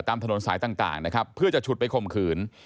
ตามถนนสายต่างเพื่อจะฉุดไปคมขืน